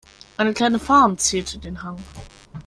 Eine kleine Farm zierte den Hang.